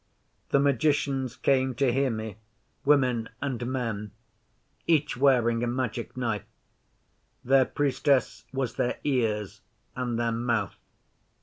The magicians came to hear me women and men each wearing a Magic Knife. Their Priestess was their Ears and their Mouth.